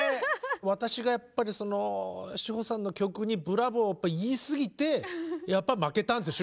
私がやっぱりその志帆さんの曲に「ブラボー」言いすぎてやっぱ負けたんですよ